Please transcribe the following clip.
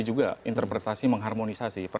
ada juga interpretasi mengharmonisasi